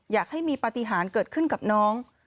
อยากให้มีปฏิหารเกิดขึ้นกับน้อง